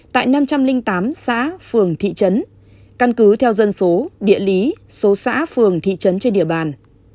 tại năm trăm linh tám xã phường thị trấn căn cứ theo dân số địa lý số xã phường thị trấn trên địa bàn